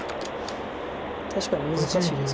確かに難しいです。